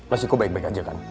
mas iko baik baik aja kan